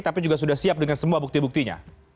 tapi juga sudah siap dengan semua bukti buktinya